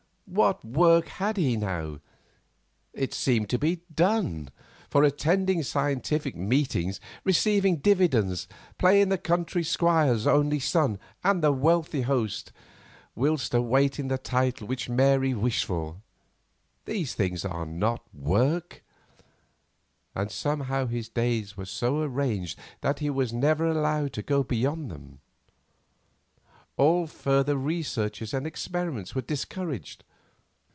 What work had he now? It seemed to be done; for attending scientific meetings, receiving dividends, playing the country squire's only son and the wealthy host whilst awaiting the title which Mary wished for—these things are not work, and somehow his days were so arranged that he was never allowed to go beyond them. All further researches and experiments were discouraged.